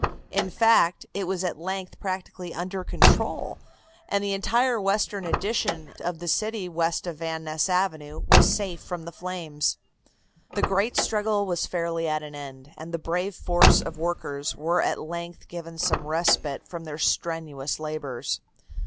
In fact, it was at length practically under control, and the entire western addition of the city west of Van Ness Avenue was safe from the flames. The great struggle was fairly at an end, and the brave force of workers were at length given some respite from their strenuous labors.